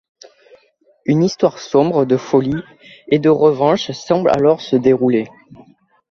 Une histoire sombre de folie et de revanche semble alors se dérouler.